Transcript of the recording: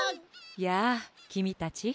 やあきみたち。